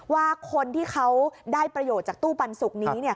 ว่าคนที่เขาได้ประโยชน์จากตู้ปันสุกนี้